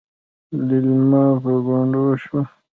ليلما په ګونډو شوه.